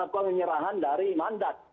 penyerahan dari mandat